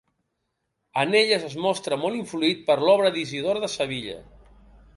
En elles es mostra molt influït per l'obra d'Isidor de Sevilla.